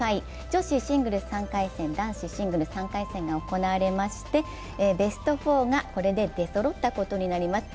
女子シングルス３回戦、男子シングルス３回戦が行われましてベスト４がこれで出そろったことになります。